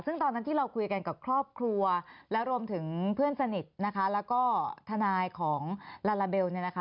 ซึ่งตอนนั้นที่เราคุยกันกับครอบครัวและรวมถึงเพื่อนสนิทนะคะแล้วก็ทนายของลาลาเบลเนี่ยนะคะ